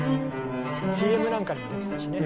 ＣＭなんかにも出てたしね。